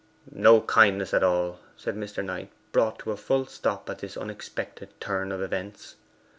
'No kindness at all,' said Mr. Knight, brought to a full stop at this unexpected turn of events.